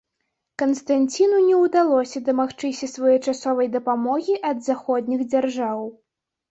Канстанціну не ўдалося дамагчыся своечасовай дапамогі ад заходніх дзяржаў.